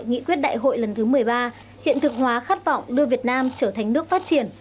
nghị quyết đại hội lần thứ một mươi ba hiện thực hóa khát vọng đưa việt nam trở thành nước phát triển